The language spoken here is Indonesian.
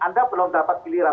anda belum dapat giliran